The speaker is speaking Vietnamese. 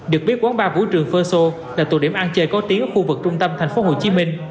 được biết quán ba vũ trường phơ xô là tù điểm ăn chơi có tiếng ở khu vực trung tâm tp hcm